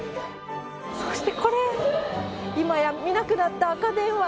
そしてこれ、今や見なくなった赤電話。